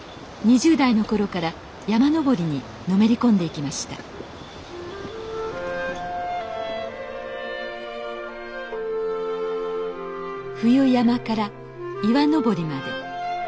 ２０代の頃から山登りにのめり込んでいきました冬山から岩登りまで。